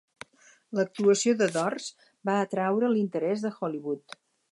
L"actuació de Dors va atraure l"interès de Hollywood.